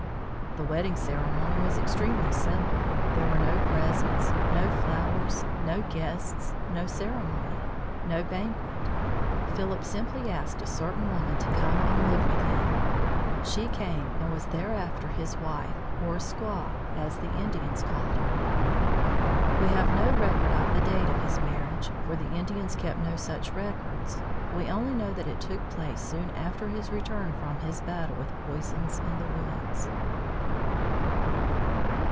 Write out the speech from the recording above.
The wedding ceremony was extremely simple. There were no presents, no flowers, no guests, no ceremony, no banquet. Philip simply asked a certain woman to come and live with him. She came and was thereafter his wife, or squaw, as the Indians called her. We have no record of the date of his marriage, for the Indians kept no such records. We only know that it took place soon after his return from his battle with poisons in the woods.